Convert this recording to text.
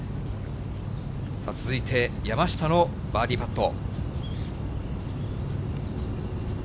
続いて、山下のバーディーパット。